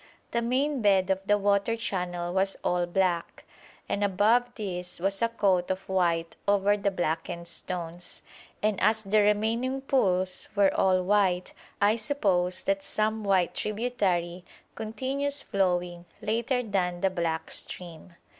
The main bed of the water channel was all black, and above this was a coat of white over the blackened stones, and as the remaining pools were all white, I suppose that some white tributary continues flowing later than the black stream.